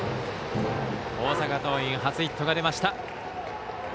大阪桐蔭、初ヒットが出ました。